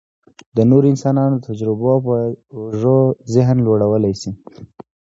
د نورو انسانانو د تجربو په اوږو ذهن لوړولی شي.